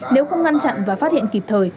nếu không ngăn chặn và phát hiện kịp thời